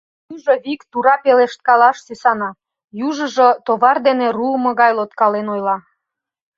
Южо вик тура пелешткалаш сӱсана, южыжо товар дене руымо гай лодкален ойла: